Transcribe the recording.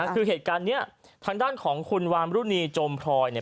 คือเหตุการณ์นี้ทางด้านของคุณวามรุณีโจมพลอยเนี่ย